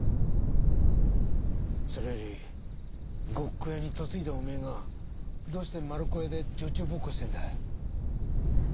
それより呉服屋に嫁いだおめえがどうして丸子屋で女中奉公してんだ？